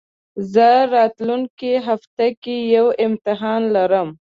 زه راتلونکي هفته کي يو امتحان لرم